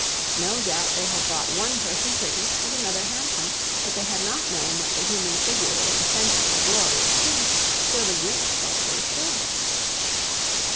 No doubt they had thought one person pretty and another handsome, but they had not known that the human figure was essentially a glorious thing till the Greek sculptors showed them.